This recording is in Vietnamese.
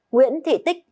nguyễn thị tích